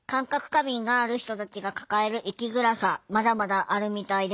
過敏がある人たちが抱える生きづらさまだまだあるみたいです。